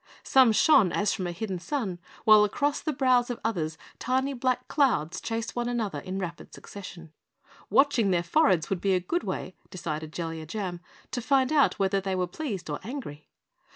Some shone as from a hidden sun, while across the brows of others tiny black clouds chased one another in rapid succession. Watching their foreheads would be a good way, decided Jellia Jam, to find out whether they were pleased or angry.